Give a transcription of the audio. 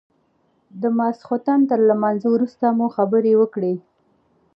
د ماخستن تر لمانځه وروسته مو خبرې وكړې.